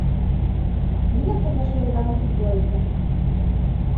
Ниңә ҡыҙҙар шулай бәғерһеҙ була икән?